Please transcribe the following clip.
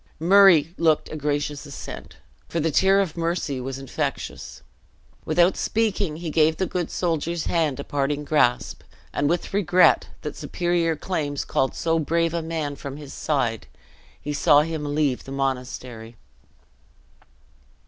Murray looked a gracious assent, for the tear of mercy was infectious. Without speaking, he gave the good soldier's hand a parting grasp; and with regret that superior claims called so brave a man from his side, he saw him leave the monastery.